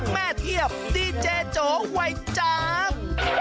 เทียบดีเจโจวัยจาบ